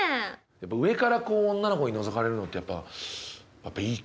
上からこう女の子にのぞかれるのってやっぱりやっぱりいいか。